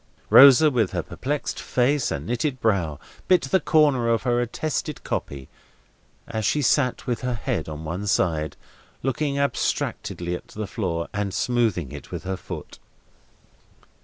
Rosa, with her perplexed face and knitted brow, bit the corner of her attested copy, as she sat with her head on one side, looking abstractedly on the floor, and smoothing it with her foot.